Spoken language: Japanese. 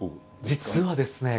実はですね